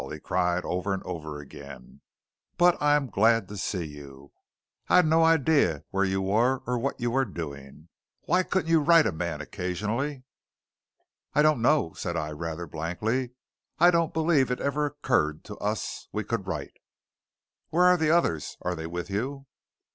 he cried over and over again. "But I am glad to see you! I'd no idea where you were or what you were doing! Why couldn't you write a man occasionally?" "I don't know," said I, rather blankly. "I don't believe it ever occurred to us we could write." "Where are the others? Are they with you?"